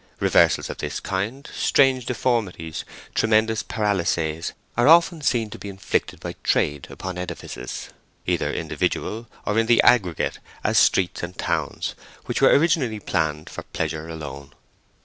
Reversals of this kind, strange deformities, tremendous paralyses, are often seen to be inflicted by trade upon edifices—either individual or in the aggregate as streets and towns—which were originally planned for pleasure alone.